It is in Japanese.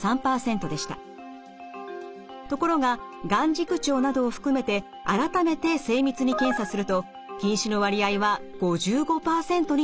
ところが眼軸長などを含めて改めて精密に検査すると近視の割合は５５％になっていました。